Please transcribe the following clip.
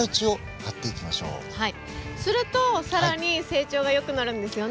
すると更に成長が良くなるんですよね？